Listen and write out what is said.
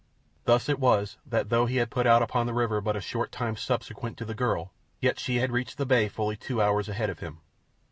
Thus it was that, though he had put out upon the river but a short time subsequent to the girl, yet she had reached the bay fully two hours ahead of him.